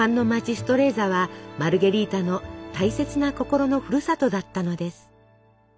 ストレーザはマルゲリータの大切な心のふるさとだったのです。